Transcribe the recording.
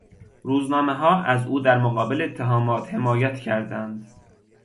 روزنامهها از او در مقابل اتهامات، حمایت کردند.